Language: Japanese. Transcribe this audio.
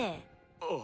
ああ。